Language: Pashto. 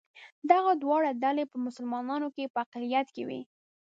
دغه دواړه ډلې په مسلمانانو کې په اقلیت کې وې.